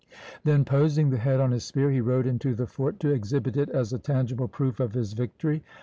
Then poising the head on his spear, he rode into the fort to exhibit it as a tangible proof of his victory.